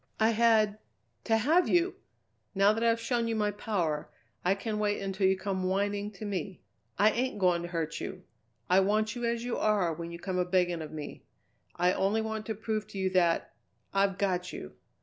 "I had to have you! Now that I've shown you my power, I can wait until you come whining to me. I ain't going to hurt you! I want you as you are when you come a begging of me. I only wanted to prove to you that I've got you!"